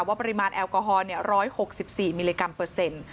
ปริมาณแอลกอฮอล๑๖๔มิลลิกรัมเปอร์เซ็นต์